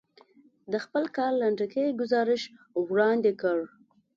د خپل کار لنډکی ګزارش وړاندې کړ.